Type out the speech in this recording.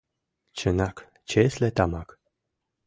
— Чынак, чесле тамак!